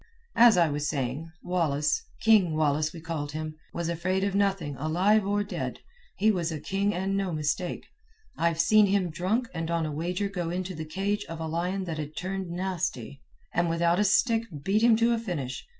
"As I was saying, Wallace—'King' Wallace we called him—was afraid of nothing alive or dead. He was a king and no mistake. I've seen him drunk, and on a wager go into the cage of a lion that'd turned nasty, and without a stick beat him to a finish.